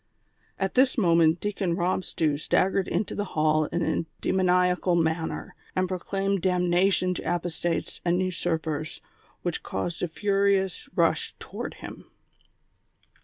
At this moment Deacon Kob Stew staggered into the hall in a demoniacal manner, and proclaimed damnation to apostates and usurpers, which caused a furious rush toward him.